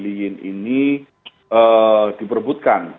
nahdien ini diperbutkan